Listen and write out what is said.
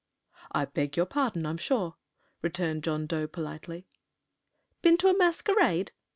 "I beg your pardon, I'm sure," returned John Dough, politely. "Been to a masquerade?"